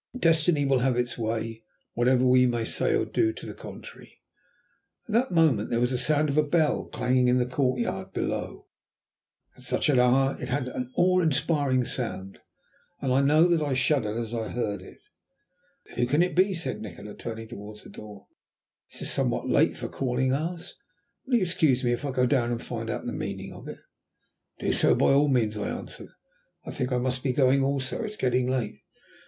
Destiny will have its way, whatever we may say or do to the contrary." At that moment there was the sound of a bell clanging in the courtyard below. At such an hour it had an awe inspiring sound, and I know that I shuddered as I heard it. "Who can it be?" said Nikola, turning towards the door. "This is somewhat late for calling hours. Will you excuse me if I go down and find out the meaning of it?" "Do so, by all means," I answered. "I think I must be going also. It is getting late."